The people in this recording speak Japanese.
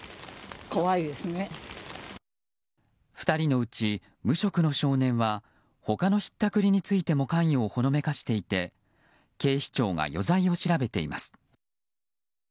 ２人のうち無職の少年は他のひったくりについても関与をほのめかしていて警視庁が余罪を調べています。